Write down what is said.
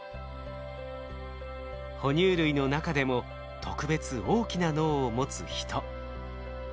哺乳類の中でも特別大きな脳を持つヒト。